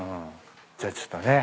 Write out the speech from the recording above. じゃあちょっとね